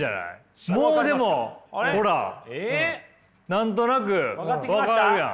何となく分かるやん。